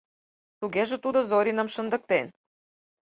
Тугеже тудо Зориным шындыктен...